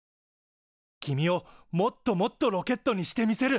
君をもっともっとロケットにしてみせる！